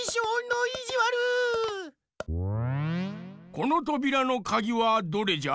このとびらのかぎはどれじゃ？